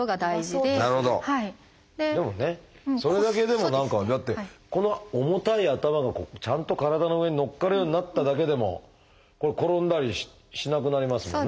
でもねそれだけでも何かだってこの重たい頭がちゃんと体の上にのっかるようになっただけでも転んだりしなくなりますもんね。